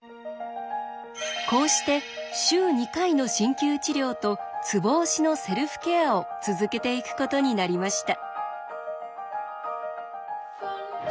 こうして週２回の鍼灸治療とツボ押しのセルフケアを続けていくことになりました。